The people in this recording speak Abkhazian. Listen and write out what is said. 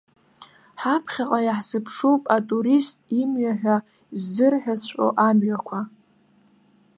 Ҳаԥхьаҟа иаҳзыԥшуп атурист имҩаҳәа ззырҳәаҵәҟьо амҩақәа.